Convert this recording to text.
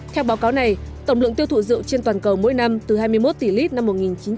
theo báo cáo này tổng lượng tiêu thụ rượu trên toàn cầu mỗi năm từ hai mươi một tỷ lít năm một nghìn chín trăm chín mươi